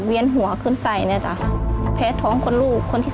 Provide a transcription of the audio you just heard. เวียนหัวขึ้นใสแล้วแผลท้องคนลูกคนที่๓